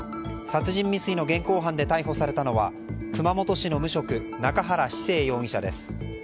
殺人未遂の現行犯で逮捕されたのは熊本市の無職中原司政容疑者です。